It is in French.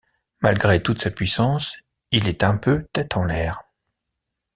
Malgré toute sa puissance, il est un peu tête en l'air.